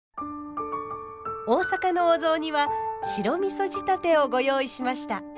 大阪のお雑煮は白みそ仕立てをご用意しました。